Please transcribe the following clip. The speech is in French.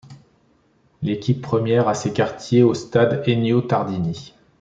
L'équipe première a ses quartiers au stade Ennio Tardini.